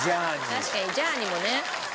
確かにジャーにもね。